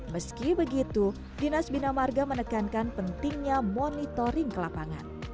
meski begitu dinas binamarga menekankan pentingnya monitoring kelapangan